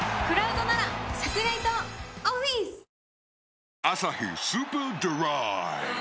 ニトリ「アサヒスーパードライ」